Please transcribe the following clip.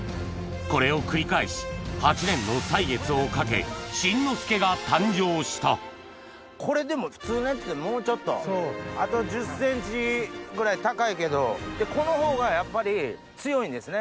これを繰り返し８年の歳月をかけ新之助が誕生したこれでも普通のやつってもうちょっとあと１０ｃｍぐらい高いけどこのほうがやっぱり強いんですね